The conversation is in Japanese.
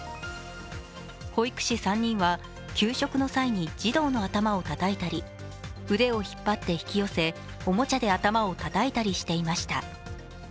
保育士３人は給食の際に児童の頭をたたいたり、腕を引っ張って引き寄せ、おもちゃで頭をたたいたりしていました。